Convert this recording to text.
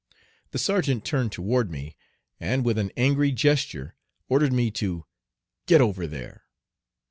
The sergeant turned toward me, and with an angry gesture ordered me to "Get over there."